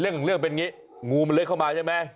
เรื่องเป็นอย่างนี้งูมันเลื้อยเข้ามาใช่ไหม